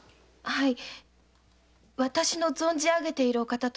はい。